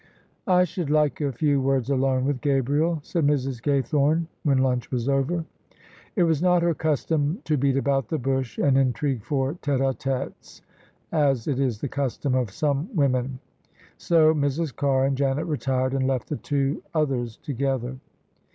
"I should like a few words alone with Gabriel," said Mrs. Gaythome, when lunch was over. It was not her custom to beat about the bush and intrigue for tete a teteSj as it is the custom of some women. So Mrs. Carr and Janet retired, and left the two others together.